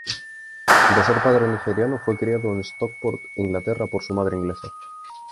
De padre nigeriano, fue criado en Stockport, Inglaterra por su madre inglesa.